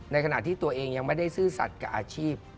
ในขณะที่ตัวเองยังไม่ได้ซื่อสัตว์กับอาชีพ